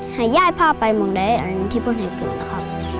หาย่ายพาไปมองได้อันนี้ที่พวกนี่เก็บแล้วครับ